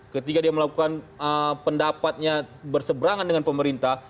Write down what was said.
ketika dia melakukan pendapatnya berseberangan dengan pemerintah